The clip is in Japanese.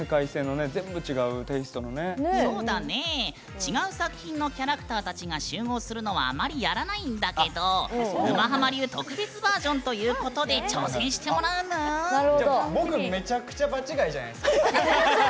違う作品のキャラクターたちが集合するのはあまりやらないんだけど沼ハマ流特別バージョンということで挑戦してもらうぬーん！